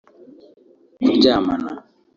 kuryamana